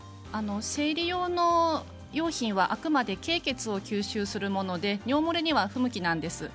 生理用の用品はあくまで経血を吸収するもので尿漏れには不向きなんです。